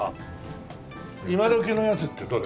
今どきのやつってどれ？